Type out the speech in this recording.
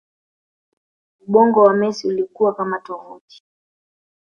ubongo wa Messi ulikuwa kama tovuti